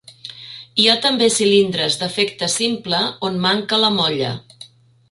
Hi ha també cilindres d'efecte simple on manca la molla.